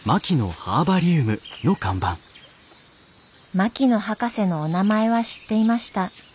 槙野博士のお名前は知っていました。